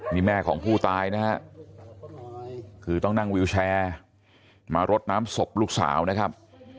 นี่แม่ของผู้ตายนะฮะคือต้องนั่งวิวแชร์มารดน้ำศพลูกสาวนะครับ